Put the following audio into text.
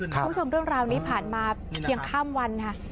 เรื่องราวนี้ผ่านมาเพียงข้ามวันค่ะ